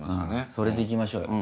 それで行きましょうよ。